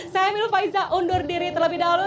saya milva iza undur diri terlebih dahulu